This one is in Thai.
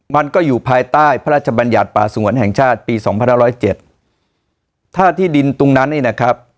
มันก็อยู่ภายใต้พระราชบัญญัติป่าสงวนแห่งชาติปีสองพันห้าร้อยเจ็ดถ้าที่ดินตรงนั้นนี่นะครับ